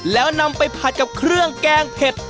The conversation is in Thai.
แล้วนำไปผัดกับเครื่องแกงเผ็ด